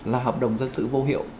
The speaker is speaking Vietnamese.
là hợp đồng dân sự vô hiệu